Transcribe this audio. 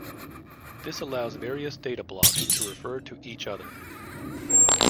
This allows various data blocks to refer to each other.